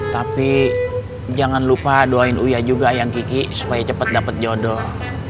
tapi jangan lupa doain uya juga ayang kiki supaya cepet dapet jodoh